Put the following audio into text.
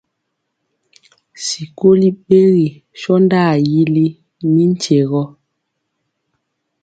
Sikoli ɓegi sɔndaa yili mi nkye gɔ.